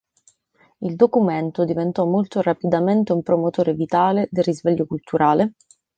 Il documento diventò molto rapidamente un promotore vitale del risveglio culturale.